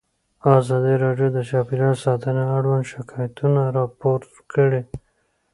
ازادي راډیو د چاپیریال ساتنه اړوند شکایتونه راپور کړي.